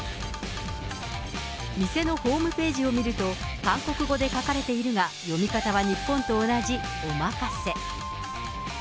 店のホームページを見ると、韓国語で書かれているが、読み方は日本と同じおまかせ。